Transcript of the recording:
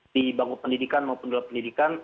di bangun pendidikan maupun penduduk pendidikan